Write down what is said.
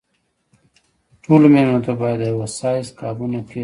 ټولو مېلمنو ته باید د یوه سایز قابونه کېښودل شي.